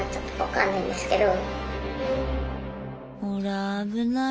ほら危ない。